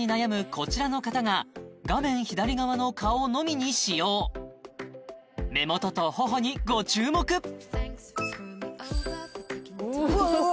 こちらの方が画面左側の顔のみに使用目元と頬にご注目うわうわうわ